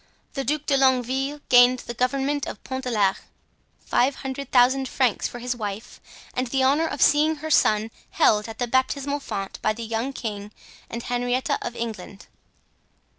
The Duc de Longueville gained the government of Pont de l'Arche, five hundred thousand francs for his wife and the honor of seeing her son held at the baptismal font by the young king and Henrietta of England.